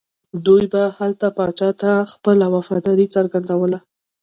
دوی به هلته پاچا ته خپله وفاداري څرګندوله.